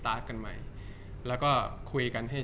จากความไม่เข้าจันทร์ของผู้ใหญ่ของพ่อกับแม่